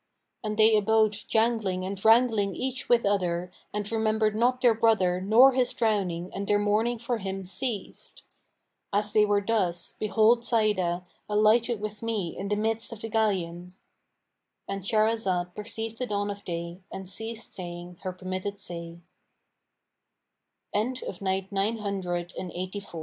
And they abode jangling and wrangling each with other and remembered not their brother nor his drowning and their mourning for him ceased. As they were thus, behold Sa'idah alighted with me in the midst of the galleon,"—And Shahrazad perceived the dawn of day and ceased saying her permitted say.